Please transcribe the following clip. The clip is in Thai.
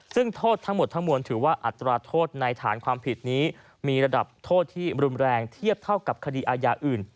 ซึ่งโทษทั้งหมดทั้งมวลถือว่าอัตราโทษในฐานความผิดนี้มีระดับโทษที่รุนแรงเทียบเท่ากับคดีอาญาอื่น